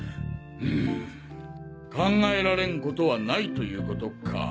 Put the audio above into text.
うん考えられんことはないということか。